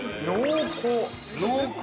濃厚！